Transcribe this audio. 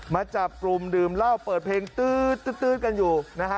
มาจับกลุ่มดื่มเหล้าเปิดเพลงตื๊ดกันอยู่นะฮะ